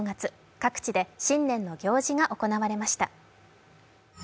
各地で新年の行事が行われました。